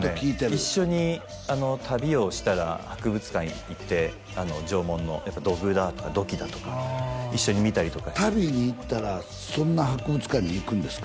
一緒に旅をしたら博物館行って縄文の土偶だとか土器だとか一緒に見たりとかして旅に行ったらそんな博物館に行くんですか？